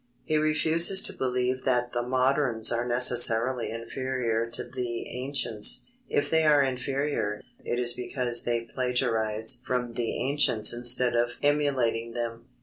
He refuses to believe that the moderns are necessarily inferior to the ancients. If they are inferior, it is because they plagiarize from the ancients instead of emulating them.